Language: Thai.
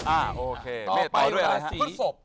อ่าโอเคต่อไปด้วยครับ